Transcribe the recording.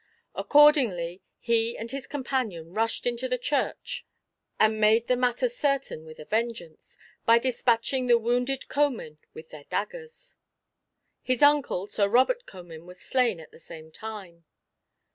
Accordingly, he and his companion rushed into the church and made the matter certain with a vengeance, by dispatching the wounded Comyn with their daggers. His uncle, Sir Robert Comyn, was slain at the same time.